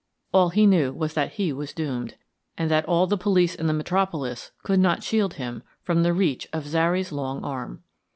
All he knew was that he was doomed, and that all the police in the Metropolis could not shield him from the reach of Zary's long arm.